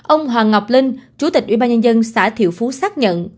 ông hoàng ngọc linh chủ tịch ủy ban nhân dân xã thiệu phú xác nhận